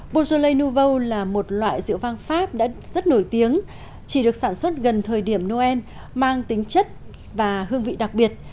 buzoellei nuvo là một loại rượu vang pháp đã rất nổi tiếng chỉ được sản xuất gần thời điểm noel mang tính chất và hương vị đặc biệt